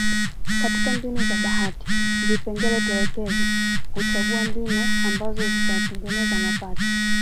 Katika mbinu za bahati vipengele tekelezi huchagua mbinu ambazo zitaongeza mapato